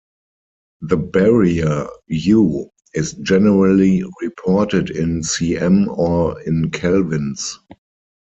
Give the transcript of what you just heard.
The barrier "U" is generally reported in cm or in kelvins.